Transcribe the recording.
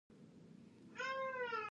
افغانستان له د بولان پټي ډک دی.